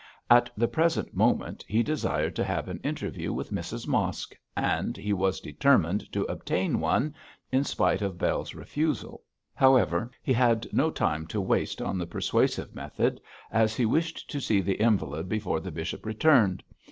At the present moment he desired to have an interview with Mrs Mosk, and he was determined to obtain one in spite of Bell's refusal. However, he had no time to waste on the persuasive method, as he wished to see the invalid before the bishop returned.